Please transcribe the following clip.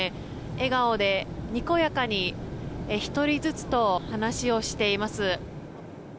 笑顔でにこやかに１人ずつと話をしています。